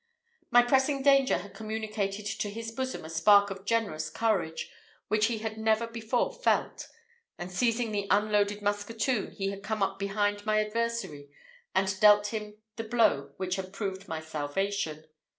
My pressing danger had communicated to his bosom a spark of generous courage which he had never before felt, and, seizing the unloaded musketoon, he had come behind my adversary and dealt him the blow which had proved my salvation.